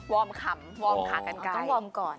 วอร์มขำวอร์มขากันไกล